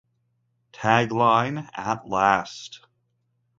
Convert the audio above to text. Tagline: At Last!